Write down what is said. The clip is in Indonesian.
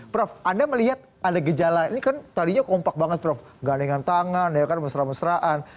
prof anda melihat ada gejala ini kan tadinya kompak banget prof gandengan tangan ya kan mesra mesraan